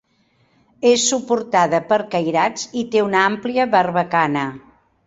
És suportada per cairats i té una àmplia barbacana.